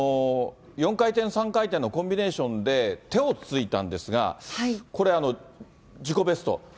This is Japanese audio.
４回転、３回転のコンビネーションで、手をついたんですが、これ、自己ベスト。